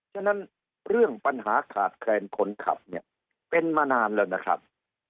ฉะนั้นเรื่องปัญหาขาดแคลนคนขับเนี่ยเป็นมานานแล้วนะครับ